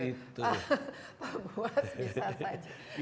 pak buas bisa saja